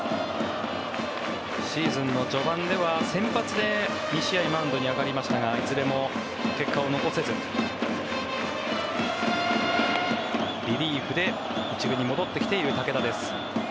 シーズンの序盤では先発で２試合マウンドに上がりましたがいずれも結果を残せずリリーフで１軍に戻ってきている武田です。